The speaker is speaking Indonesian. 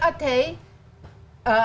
abu talib dikira